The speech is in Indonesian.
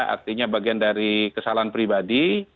artinya bagian dari kesalahan pribadi